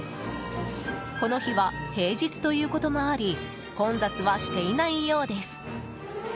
この日は平日ということもあり混雑はしていないようです。